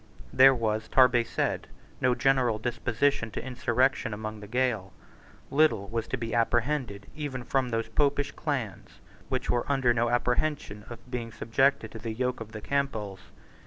There was, Tarbet said, no general disposition to insurrection among the Gael. Little was to be apprehended even from those popish clans which were under no apprehension of being subjected to the yoke of the Campbells.